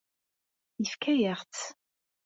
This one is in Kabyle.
Yefka-yaɣ-tt.